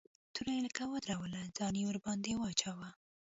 توره يې لکه ودروله ځان يې ورباندې واچاوه.